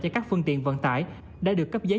cho các phương tiện vận tải đã được cấp giấy